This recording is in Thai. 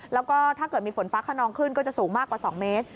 แล้วก็ถ้าเกิดมีฝนฟ้าขนองขึ้นก็จะสูงมากกว่า๒เมตร